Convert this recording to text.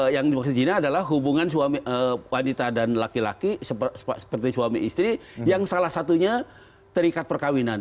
yang dimaksud jina adalah hubungan wanita dan laki laki seperti suami istri yang salah satunya terikat perkawinan